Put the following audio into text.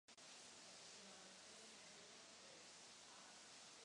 Zpracovávala všechny druhy poštovních zásilek během jízdy v upravených železničních vozech.